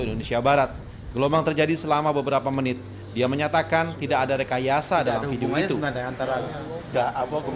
indonesia barat gelombang terjadi selama beberapa menit dia menyatakan tidak ada rekayasa dalam